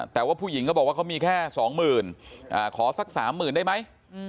แต่ว่าผู้หญิงก็บอกว่าเขามีแค่สองหมื่นขอสักสามหมื่นได้ไหม